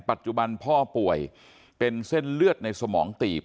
ปัจจุบันพ่อป่วยเป็นเส้นเลือดในสมองตีบ